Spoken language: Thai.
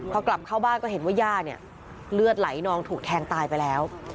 พอกลับเข้าบ้านก็เห็นว่าย่าเนี่ยเลือดไหลนองถูกแทงตายไปแล้ว